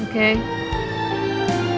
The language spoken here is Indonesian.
perempuan yang sangat baik